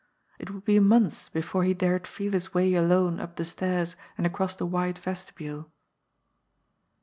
It would be months before he dared feel his way alone up the stairs and across the wide vestibule.